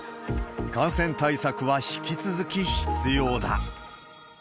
感染対策は引き続き必要だ。